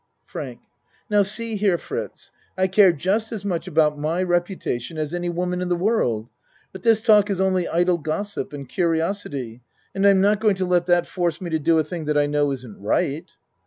FRANK Now, see here, Fritz, I care just as much about my reputation as any woman in the world, but this talk is only idle gossip and curiosity and I'm not going to let that force me to do a thing that I know isn't right.